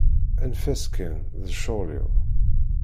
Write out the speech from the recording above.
Anef-as kan, d ccɣel-iw.